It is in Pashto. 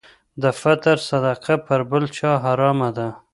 د فطر صدقه پر بل چا حرامه ده.